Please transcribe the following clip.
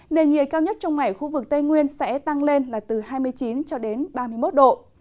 nền nhiệt cao nhất trong mảy khu vực tây nguyên sẽ tăng lên là từ hai mươi chín ba mươi một độ